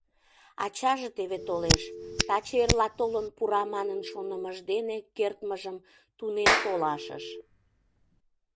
Ачаже теве толеш, таче-эрла толын пура манын шонымыж дене кертмыжым тунем толашыш.